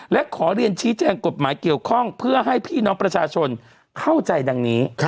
และขอเรียนชี้แจงกฎหมายเกี่ยวข้องเพื่อให้พี่น้องประชาชนเข้าใจดังนี้